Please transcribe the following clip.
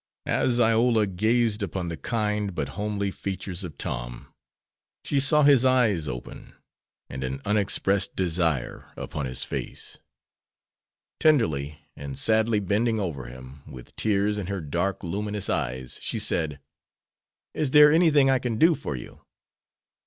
As Iola gazed upon the kind but homely features of Tom, she saw his eyes open and an unexpressed desire upon his face. Tenderly and sadly bending over him, with tears in her dark, luminous eyes, she said, "Is there anything I can do for you?"